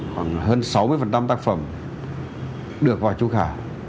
khoảng hơn sáu mươi tác phẩm được vào trung khảo